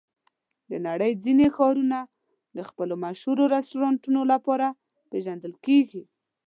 د نړۍ ځینې ښارونه د خپلو مشهور رستورانتونو لپاره پېژندل کېږي.